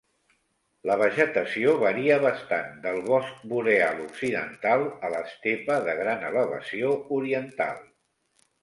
La vegetació varia bastant, del bosc boreal occidental a l"estepa de gran elevació oriental.